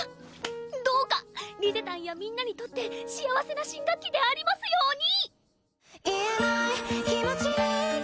どうかリゼたんやみんなにとって幸せな新学期でありますように！